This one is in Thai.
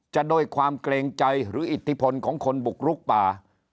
ด้วยความเกรงใจหรืออิทธิพลของคนบุกลุกป่า